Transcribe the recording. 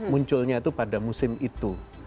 munculnya itu pada musim itu